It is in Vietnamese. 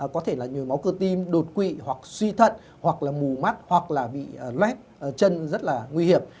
có thể là nhồi máu cơ tim đột quỵ hoặc suy thận hoặc là mù mắt hoặc là bị lét chân rất là nguy hiểm